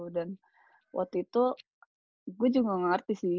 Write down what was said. dan waktu itu gue juga nggak ngerti sih